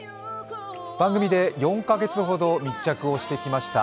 番組で４か月ほど密着してきました